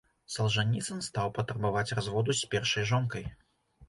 Салжаніцын стаў патрабаваць разводу з першай жонкай.